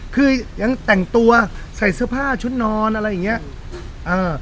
คือยังแต่งตัวใส่เสื้อผ้าชุดนอนอะไรอย่างเงี้ยเออ